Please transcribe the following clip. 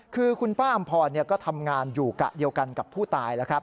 คือคุณป้าอำพรก็ทำงานอยู่กะเดียวกันกับผู้ตายแล้วครับ